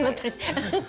ハハハ。